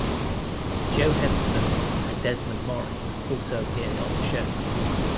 Joe Henson and Desmond Morris also appeared on the show.